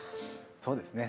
そうですね。